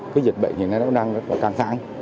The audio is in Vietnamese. cái dịch bệnh hiện nay nó đang rất là căng thẳng